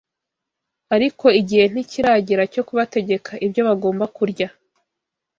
ariko igihe ntikiragera cyo kubategeka ibyo bagomba kurya